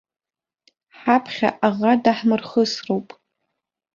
Ҳаԥхьа аӷа даҳмырхысроуп.